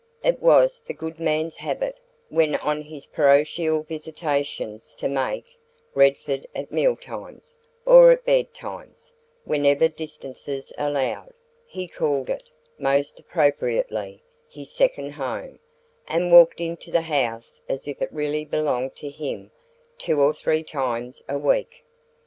It was the good man's habit, when on his parochial visitations, to 'make' Redford at meal times, or at bed time, whenever distances allowed; he called it, most appropriately, his second home, and walked into the house as if it really belonged to him two or three times a week.